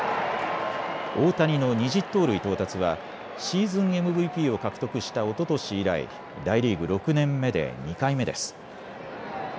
大谷の２０盗塁到達はシーズンＭＶＰを獲得したおととし以来大リーグ６年目で２回目です。